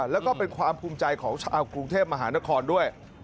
แล้วก็เป็นความภูมิใจของชาวกรุงเทพมหานครด้วย